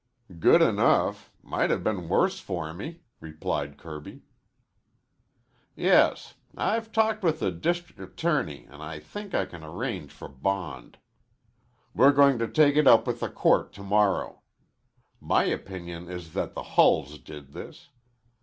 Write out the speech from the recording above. "Good enough. Might have been worse for me," replied Kirby. "Yes. I've talked with the district attorney and think I can arrange for bond. We're going to take it up with the court to morrow. My opinion is that the Hulls did this.